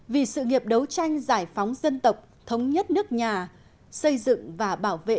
vì sự nghiệp đấu tranh giải phóng dân tộc thống nhất nước nhà xây dựng và bảo vệ